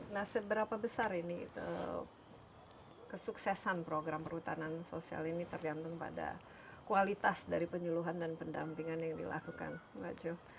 nah seberapa besar ini kesuksesan program perhutanan sosial ini tergantung pada kualitas dari penyuluhan dan pendampingan yang dilakukan mbak joe